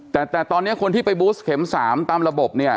แต่ตอนนี้คนที่ไปบูสขึ่งเข็ม๓ตามระบบ